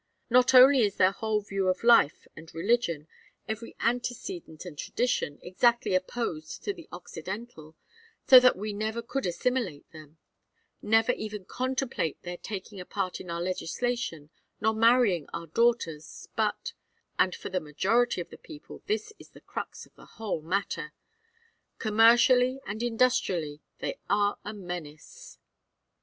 Not only is their whole view of life and religion, every antecedent and tradition, exactly opposed to the Occidental, so that we never could assimilate them, never even contemplate their taking a part in our legislation nor marrying our daughters, but and for the majority of the people this is the crux of the whole matter commercially and industrially they are a menace.